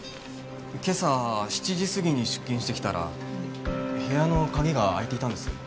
今朝７時過ぎに出勤してきたら部屋の鍵が開いていたんです。